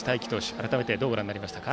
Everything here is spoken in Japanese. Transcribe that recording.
改めてどうご覧になりましたか。